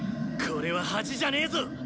これは恥じゃねえぞ